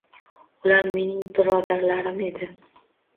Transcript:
Ular mening birodarlarim edi.